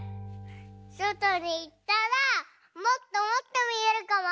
そとにいったらもっともっとみえるかも！